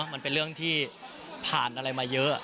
มันเป็นเรื่องที่ผ่านอะไรมาเยอะ